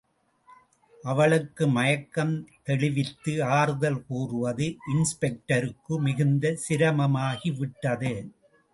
அவளுக்கு மயக்கம் தெளிவித்து ஆறுதல் கூறுவது, இன்ஸ்பெக்டருக்கு மிகுந்த சிரமமாகிவிட்டது.